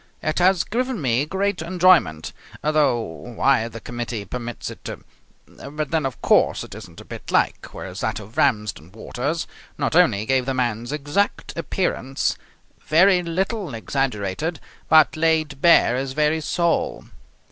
It has given me great enjoyment, though why the committee permits it to But then, of course, it isn't a bit like, whereas that of Ramsden Waters not only gave the man's exact appearance, very little exaggerated, but laid bare his very soul.